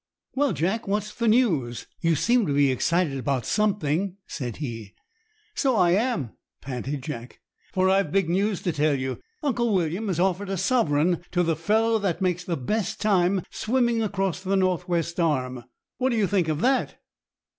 "Well, Jack, what's your news? You seem to be excited about something," said he. "So I am," panted Jack, "for I've big news to tell you. Uncle William has offered a sovereign to the fellow that makes the best time swimming across the North west Arm. What do you think of that?"